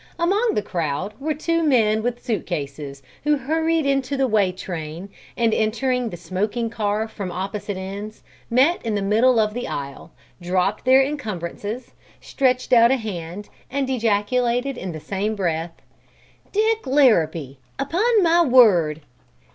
Among the crowd were two men with suit cases who hurried into the way train and, entering the smoking car from opposite ends, met in the middle of the aisle, dropped their encumbrances, stretched out a hand and ejaculated in the same breath: "Dick Larrabee, upon my word!"